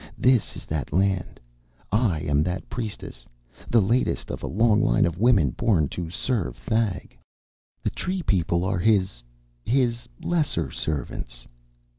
This is that land. I am that priestess, the latest of a long line of women born to serve Thag. The tree people are his his lesser servants.